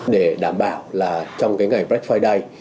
để đảm bảo là trong cái ngày black friday